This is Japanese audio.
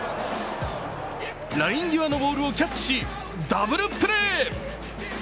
ライン際のボールをキャッチし、ダブルプレー。